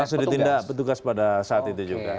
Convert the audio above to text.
langsung ditindak petugas pada saat itu juga